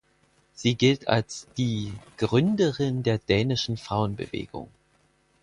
Sie gilt als die „Gründerin der dänischen Frauenbewegung“.